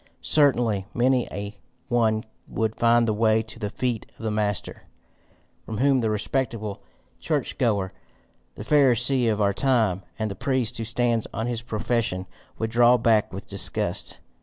Certainly many a one would find the way to the feet of the master, from whom the respectable church goer, the pharisee of our time, and the priest who stands on his profession, would draw back with disgust.